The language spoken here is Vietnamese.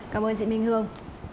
cảm ơn chị minh hương